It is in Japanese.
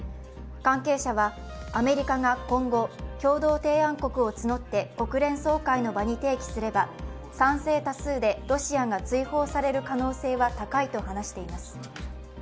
関係者はアメリカが今後、共同提案国を募って国連総会の場に提起すれば賛成多数でロシアが追放される可能性は高いと話しています。